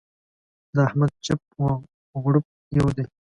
د احمد چپ و غړوپ يو دی.